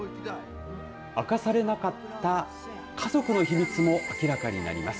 明かされなかった家族の秘密も明らかになります。